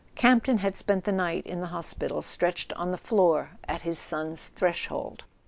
Campton had spent the night in the hospital, stretched on the floor at his son's threshold.